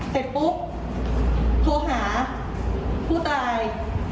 เสร็จปุ๊บโทรหาผู้ตาย